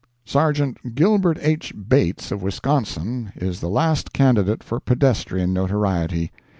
Sergeant Gilbert H. Bates of Wisconsin is the last candidate for pedestrian notoriety.